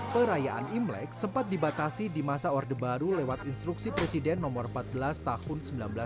perayaan imlek sempat dibatasi di masa orde baru lewat instruksi presiden nomor empat belas tahun seribu sembilan ratus sembilan puluh